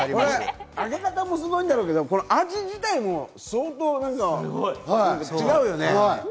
揚げ方もすごいんだろうけど、味自体も相当なんか違うよね。